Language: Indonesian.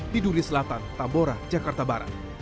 di duri selatan tambora jakarta barat